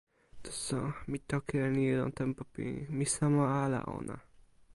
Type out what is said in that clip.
taso, mi toki e ni lon tenpo pini: mi sama ala ona.